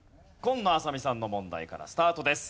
紺野あさ美さんの問題からスタートです。